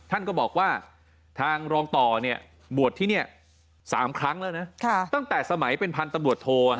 ท่านก็บอกว่าทางรองต่อเนี่ยบวชที่นี่๓ครั้งแล้วนะตั้งแต่สมัยเป็นพันธุ์ตำรวจโท